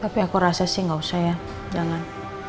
tapi aku rasa sih gak usah ya jangan